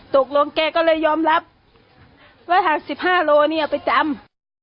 ตกลงแกก็เลยยอมรับว่าถังสิบห้าโลนี่เอาไปจำ